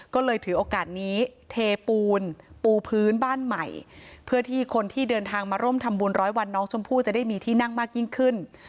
ก็เลยถือโอกาสนี้เทปูนปูพื้นบ้านใหม่เพื่อที่คนที่เดินทางมาร่วมทำบุญร้อยวันน้องชมพู่จะได้มีที่นั่งมากยิ่งขึ้น